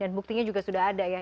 dan buktinya juga sudah ada ya